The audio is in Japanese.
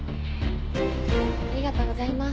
ありがとうございます。